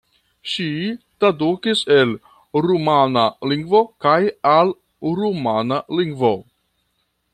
Ŝi tradukis el rumana lingvo kaj al rumana lingvo.